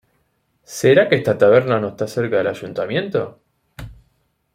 ¿será que esta taberna no esta cerca del Ayuntamiento...?